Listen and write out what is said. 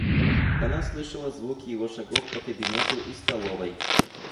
Она слышала звуки его шагов по кабинету и столовой.